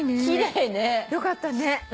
すごいね。よかったね。